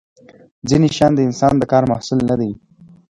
ځینې شیان د انسان د کار محصول نه دي.